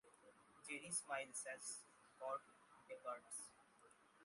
Jerry smiles as God departs.